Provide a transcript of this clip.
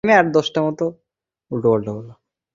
আমার কাজ আছে, নইলে আমিও তোমাদের সঙ্গে যেতুম।